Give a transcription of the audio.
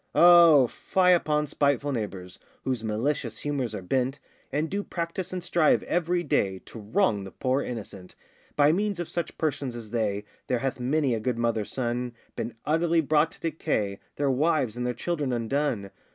O fie upon spiteful neighbours, Whose malicious humours are bent, And do practise and strive every day To wrong the poor innocent. By means of such persons as they, There hath many a good mother's son Been utterly brought to decay, Their wives and their children undone.